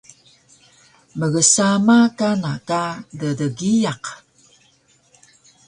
mgsama kana ka ddgiyaq